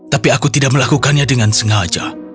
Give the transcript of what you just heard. tapi aku tidak melakukannya dengan sengaja